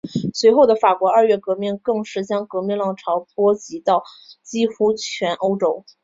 随后的法国二月革命更是将革命浪潮波及到几乎全欧洲。